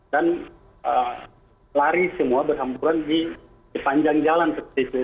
dan lari semua berhamburan di panjang jalan seperti itu